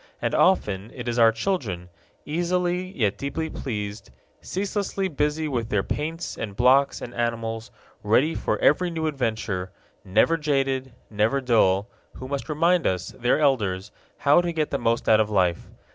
And often it is our children easily yet deeply pleased, ceaselessly busy with their paints and blocks and animals, ready for every new adventure, never jaded, never dull who must remind us, their elders, how to get the most out of life.